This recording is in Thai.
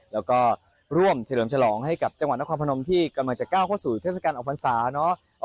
แล้วก็ร่วมเฉลิมฉลองให้กับจังหวัดนครพนมที่กำลังจะก้าวเข้าสู่เทศกาลออกพรรษาเนาะ